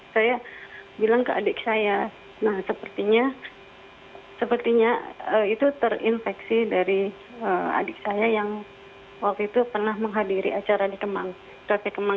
saya bilang ke adik saya nah sepertinya sepertinya itu terinfeksi dari adik saya yang waktu itu pernah menghadiri acara di kemang